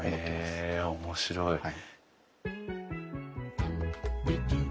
へえ面白い。